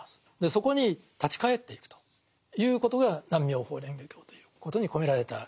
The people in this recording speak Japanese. そこに立ち返っていくということが「南無妙法蓮華経」ということに込められた意味ですね。